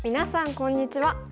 こんにちは。